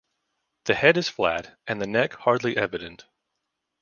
The head is flat and the neck hardly evident.